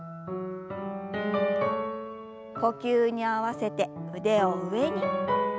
呼吸に合わせて腕を上に。